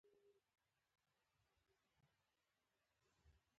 د نړۍ ډېری ملتونو ګټه پورته نه کړه.